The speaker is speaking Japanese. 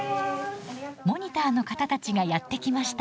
モニターの方たちがやって来ました。